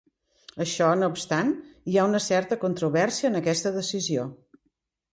Això no obstant, hi ha una certa controvèrsia en aquesta decisió.